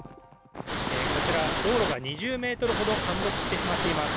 こちら、道路が２０ｍほど陥没してしまっています。